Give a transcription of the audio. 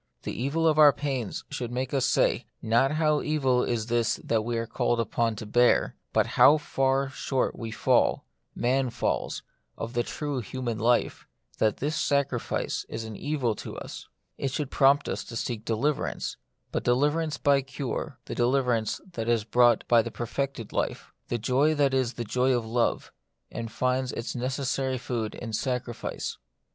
The evil of our pains should make us say, not how evil is this that we are called upon to bear, but how far short we fall — man falls — of the true human life, that this sacrifice is an evil to us. It should prompt us to seek deliverance, but deliverance by cure : the deliverance that is brought by a perfected life ; the joy that is the joy of love, and finds its necessary food in sacrifice.